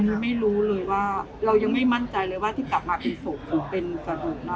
คือไม่รู้เลยว่าเรายังไม่มั่นใจเลยว่าที่กลับมาเป็นศพหรือเป็นกระดูกน้อง